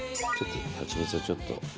ハチミツをちょっと。